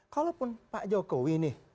kalaupun pak jokowi nih